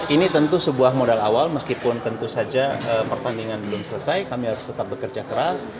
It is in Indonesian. ini tentu sebuah modal awal meskipun tentu saja pertandingan belum selesai kami harus tetap bekerja keras